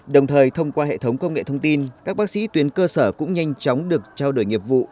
đồng thời thông qua hệ thống công nghệ thông tin các bác sĩ tuyến cơ sở cũng nhanh chóng được trao đổi nghiệp vụ